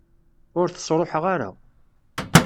Ur t-sṛuḥeɣ ara.